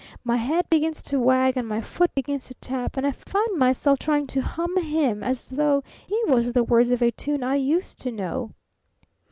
My head begins to wag and my foot begins to tap and I find myself trying to hum him as though he was the words of a tune I used to know."